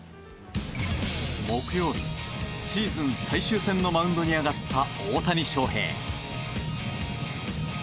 木曜日、シーズン最終戦のマウンドに上がった大谷翔平。